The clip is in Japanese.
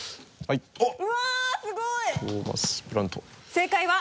正解は？